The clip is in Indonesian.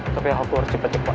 tapi aku harus cepat cepat